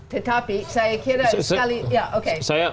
tetapi saya kira sekali